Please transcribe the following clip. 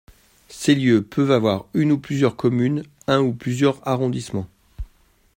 Ces lieux peuvent être une ou plusieurs communes, un ou plusieurs arrondissements.